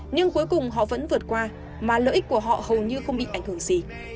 nhưng cuối cùng họ vẫn vượt qua mà lợi ích của họ hầu như không bị ảnh hưởng gì